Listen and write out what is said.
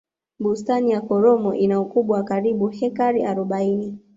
bustani ya karomo ina ukubwa wa karibu hekari arobaini